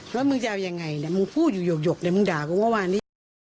แล้วมึงจะเอายังไงเนี่ยมึงพูดหยกเนี่ยมึงด่ากูว่าวันนี้